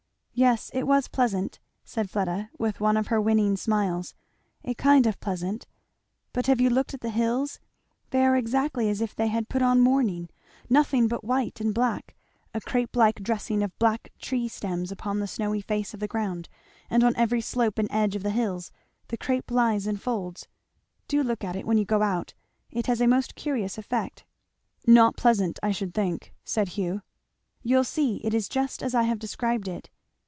"Yes, it was pleasant," said Fleda with one of her winning smiles, "a kind of pleasant. But have you looked at the hills? They are exactly as if they had put on mourning nothing but white and black a crape like dressing of black tree stems upon the snowy face of the ground, and on every slope and edge of the hills the crape lies in folds. Do look at it when you go out! It has a most curious effect." "Not pleasant, I should think," said Hugh. "You'll see it is just as I have described it.